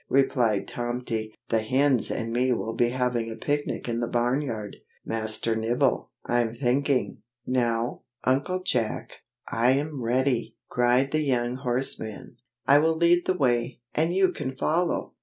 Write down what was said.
replied Tomty. "The hens and me will be having a picnic in the barn yard, Master Nibble, I'm thinking." "Now, Uncle Jack, I am ready!" cried the young horseman. "I will lead the way, and you can follow!"